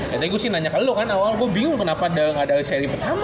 ya tadi gue sih nanya ke lu kan awal gue bingung kenapa gak ada dari seri pertama